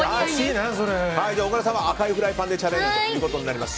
小倉さんは赤いフライパンでチャレンジとなります。